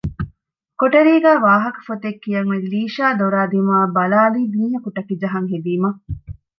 ކޮޓަރީގައި ވާހަކަފޮތެއް ކިޔަން އޮތް ލީޝާ ދޮރާދިމާއަށް ބަލާލީ މީހަކު ޓަކިޖަހަން ހެދީމަ